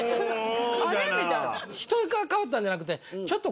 人が変わったんじゃなくてちょっと。